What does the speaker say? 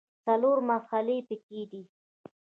څلور محلې په کې دي.